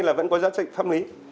là vẫn có giá trị pháp lý